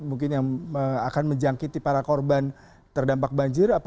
mungkin yang akan menjangkiti para korban terdampak banjir